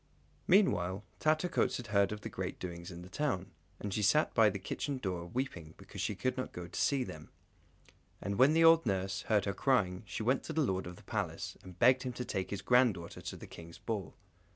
Meanwhile Tattercoats had heard of the great doings in the town, and she sat by the kitchen door weeping because she could not go to see them. And when the old nurse heard her crying she went to the Lord of the Palace, and begged him to take his granddaughter with him to the King's ball.